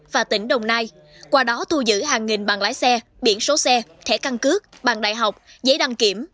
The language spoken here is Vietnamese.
và tỉnh đồng nai qua đó thu giữ hàng nghìn bàn lái xe biển số xe thẻ căn cứ bàn đại học giấy đăng kiểm